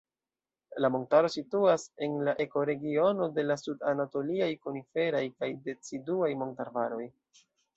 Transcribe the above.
La montaro situas en la ekoregiono de la sud-anatoliaj koniferaj kaj deciduaj montarbaroj.